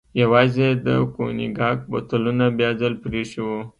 یوازې یې د کونیګاک بوتلونه بیا ځل پرې ایښي و.